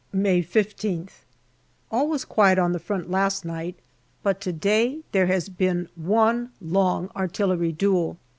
May 15th. All was quiet on the front last night, but to day there has been one long artillery duel.